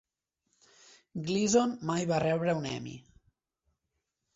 Gleason mai va rebre un Emmy.